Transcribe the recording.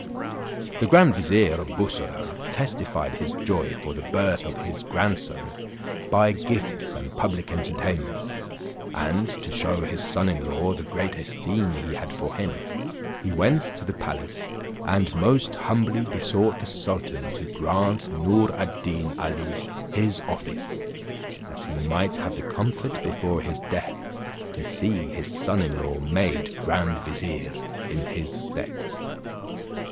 The grand vizier, of Bussorah testified his joy for the birth of his grandson by gifts and public entertainments. And to shew his son in law the great esteem he had for him, he went to the palace, and most humbly besought the sultan to grant Noor ad Deen Ali his office, that he might have the comfort before his death to see his son in law made grand vizier, in his stead.